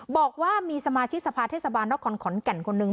บอกว่ามีสมาชิกสภาเทศบาลนครขอนแก่นคนหนึ่ง